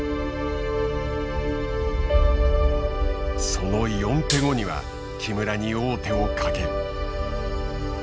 その４手後には木村に王手をかける。